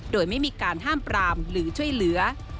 โดยไม่มีการห้ามปรามหรือช่วยเหลือ